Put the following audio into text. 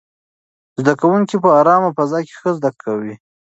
زده کوونکي په ارامه فضا کې ښه زده کوي.